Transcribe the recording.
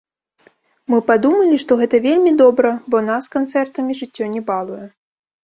Мы падумалі, што гэта вельмі добра, бо нас канцэртамі жыццё не балуе.